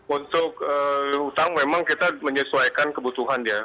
untuk utang memang kita menyesuaikan kebutuhan ya